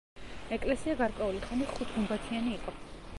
ეკლესია გარკვეული ხანი ხუთგუმბათიანი იყო.